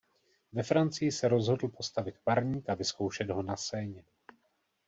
Ve Francii se rozhodl postavit parník a vyzkoušet ho na Seině.